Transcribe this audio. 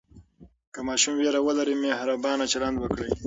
که ماشوم ویره لري، مهربانه چلند وکړئ.